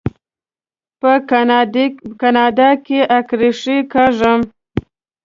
په کاناډا کې اکرښې کاږم.